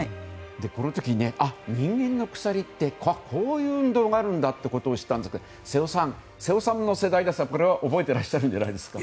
この時、人間の鎖ってこういう運動があるんだと知ったんですけど瀬尾さんの世代ですが覚えてらっしゃるんじゃないですか？